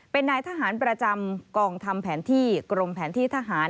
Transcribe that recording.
เป็นนายทหารประจำกองทำแผนที่กรมแผนที่ทหาร